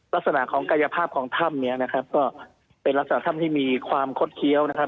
ลักษณะของกายภาพของถ้ำเนี่ยนะครับก็เป็นลักษณะถ้ำที่มีความคดเคี้ยวนะครับ